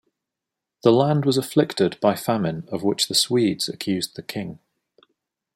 The land was afflicted by famine of which the Swedes accused the king.